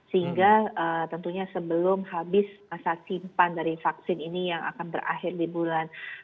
sehingga tentunya sebelum habis masa simpan dari vaksin ini yang akan berakhir di bulan